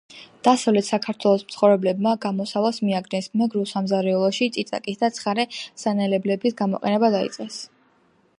დასავლეთ საქართველოს მცხოვრებლებმა გამოსავალს მიაგნეს. მეგრულ სამზარეულოში წიწაკის და ცხარე სანენებლების გამოყენება დაიწყეს